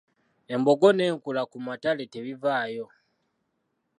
Embogo n’enkula ku matale tebivaayo.